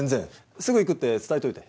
すぐ行くって伝えといて。